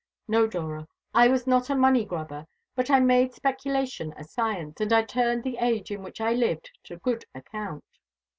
No, Dora, I was not a money grubber, but I made speculation a science, and I turned the age in which I lived to good account.